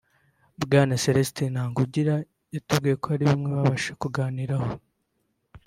Bwana Celestin Ntagungira yatubwiye ko hari bimwe babashije kuganiraho